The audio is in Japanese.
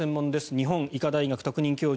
日本医科大学特任教授